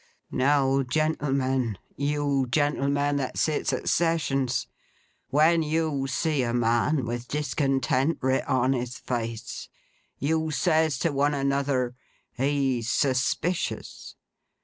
Now, gentlemen—you gentlemen that sits at Sessions—when you see a man with discontent writ on his face, you says to one another, "He's suspicious.